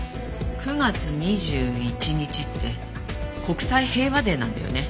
９月２１日って国際平和デーなんだよね。